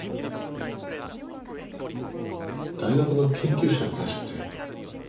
大学の研究者になるって？